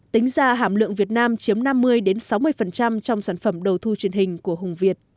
tính ra hàm lượng việt nam chiếm năm mươi sáu mươi trong sản phẩm đầu thu truyền hình của hùng việt